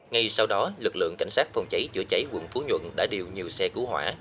ngay sau đó lực lượng cảnh sát phòng cháy chữa cháy quận phú nhuận đã điều nhiều xe cứu hỏa